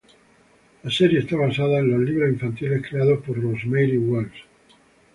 La serie está basada en los libros infantiles creados por Rosemary Wells.